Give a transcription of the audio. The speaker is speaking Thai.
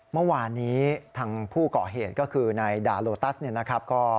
เมื่อวานนี้ทางผู้เกาะเหตุก็คือในดาโลตัสนะครับ